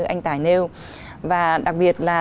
anh tài nêu và đặc biệt là